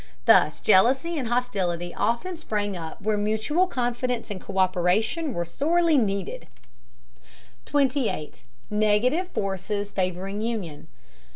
Thus jealousy and hostility often sprang up where mutual confidence and co÷peration were sorely needed. 28. NEGATIVE FORCES FAVORING UNION.